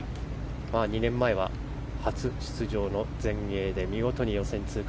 ２年前は初出場の全英で見事に予選通過。